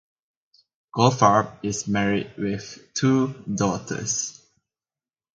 Goldfarb is married with two daughters.